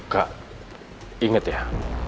kak inget ya